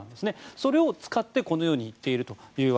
それを使ってこのように言っていると。